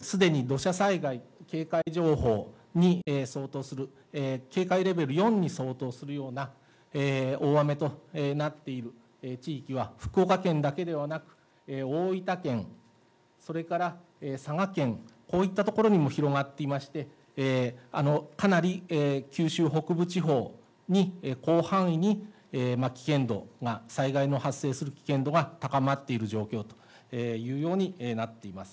このキキクル、危険度分布を見ていただくと分かりますように、すでに土砂災害警戒情報に相当する、警戒レベル４に相当するような大雨となっている地域は福岡県だけではなく、大分県、それから佐賀県、こういった所にも広がっていまして、かなり九州北部地方に広範囲に危険度が、災害の発生する危険度が高まっている状況というようになっています。